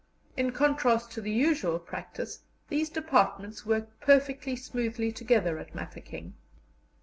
In contrast to the usual practice, these departments worked perfectly smoothly together at Mafeking.